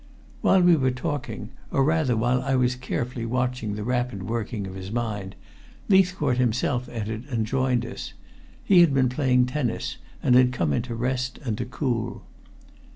While we were talking, or rather while I was carefully watching the rapid working of his mind, Leithcourt himself entered and joined us. He had been playing tennis, and had come in to rest and cool.